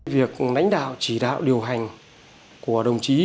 việc lãnh đạo chỉ đạo điều hành của đồng chí